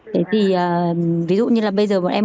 thế thì ví dụ như là bây giờ bọn em